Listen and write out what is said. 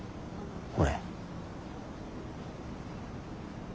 俺。